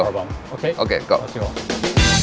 โอเคไปกันดีกว่า